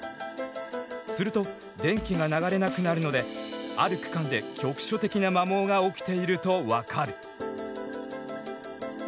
すると電気が流れなくなるのである区間で局所的な摩耗が起きていると分かる。